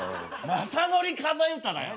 「雅紀数え歌」だよ。